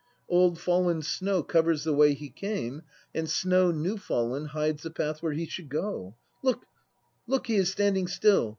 Old fallen snow covers the way he came and snow new fallen hides the path where he should go. Look, look! He is standing still.